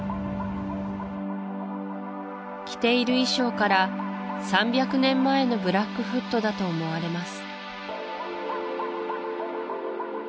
着ている衣装から３００年前のブラックフットだと思われます